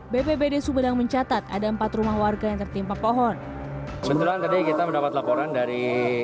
bpbd sumedang mencatat ada empat rumah warga yang tertimpa pohon kebetulan tadi kita mendapat laporan dari